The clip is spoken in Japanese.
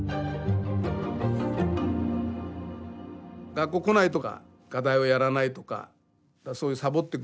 学校来ないとか課題をやらないとかそういうさぼってくことをね